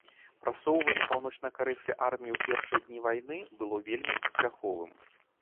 Прасоўванне паўночнакарэйскай арміі ў першыя дні вайны было вельмі паспяховым.